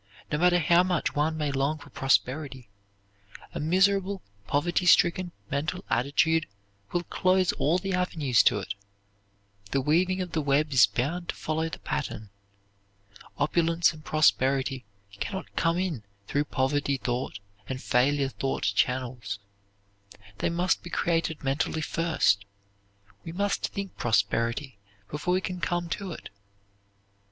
No matter how much one may long for prosperity, a miserable, poverty stricken, mental attitude will close all the avenues to it. The weaving of the web is bound to follow the pattern. Opulence and prosperity can not come in through poverty thought and failure thought channels. They must be created mentally first. We must think prosperity before we can come to it.